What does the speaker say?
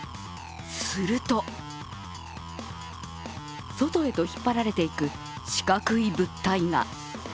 すると、外へと引っ張られていく四角い物体が。